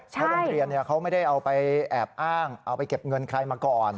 เพราะโรงเรียนเขาไม่ได้เอาไปแอบอ้างเอาไปเก็บเงินใครมาก่อน